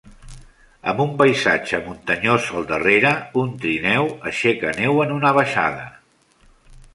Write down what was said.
Amb un paisatge muntanyós al darrere, un trineu aixeca neu en una baixada.